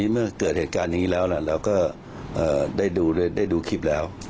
เมื่อเกิดเหตุการณ์นี้แล้วเราก็ได้ดูคลิปแล้ว